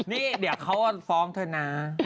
นี่เดี๋ยวเขาฟ้องเธอนะ